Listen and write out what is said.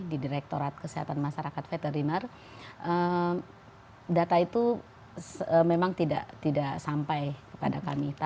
di direktorat kesehatan masyarakat veteriner data itu memang tidak sampai kepada kami